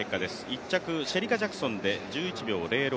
１着シェリカ・ジャクソンで１１秒０６。